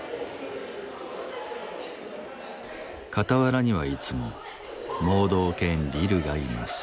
傍らにはいつも盲導犬リルがいます。